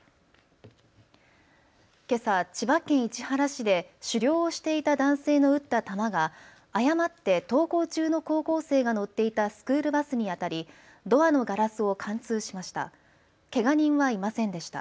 けさ千葉県市原市で狩猟をしていた男性の撃った弾が誤って登校中の高校生が乗っていたスクールバスに当たりドアのガラスを貫通しました。